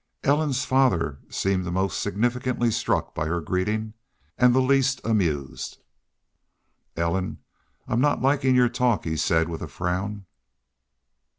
Ellen's father seemed most significantly struck by her greeting, and the least amused. "Ellen, I'm not likin' your talk," he said, with a frown.